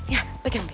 ya pegang deh